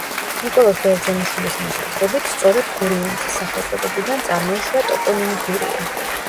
ნიკოლოზ ბერძენიშვილის მოსაზრებით, სწორედ გურიანთის სახელწოდებიდან წარმოიშვა ტოპონიმი გურია.